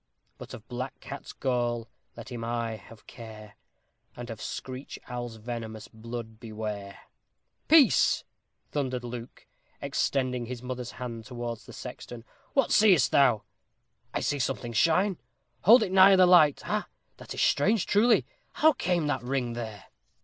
But of black cat's gall let him aye have care, And of screech owl's venomous blood beware! "Peace!" thundered Luke, extending his mother's hand towards the sexton. "What seest thou?" "I see something shine. Hold it nigher the light. Ha! that is strange, truly. How came that ring there?"